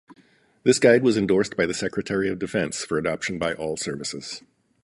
This guide was endorsed by the Secretary of Defense for adoption by all services.